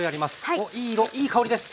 おっいい色いい香りです。